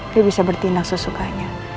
dia bisa bertindak sesukanya